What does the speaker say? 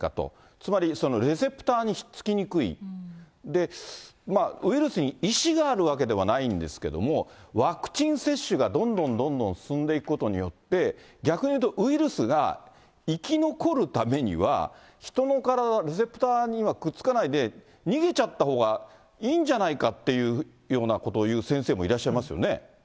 つまり、レセプターに引っ付きにくい、ウイルスにいしがあるわけではないんですけども、ワクチン接種がどんどんどんどん進んでいくことによって、逆にいうと、ウイルスが生き残るためには、人の体、レセプターにはくっつかないで、逃げちゃったほうがいいんじゃないかっていうようなことを言う先そうですね。